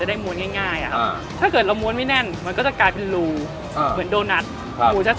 สุดสุดท้ายผมก็เลยเริ่มค่อยแก้ปัญหาทีละอย่างไป